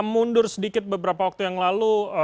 mundur sedikit beberapa waktu yang lalu